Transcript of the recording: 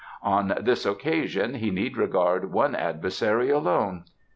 On this occasion he need regard one adversary alone.